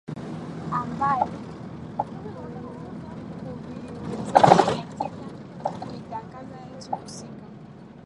ambavyo huviwezesha katika kuitangaza nchi husika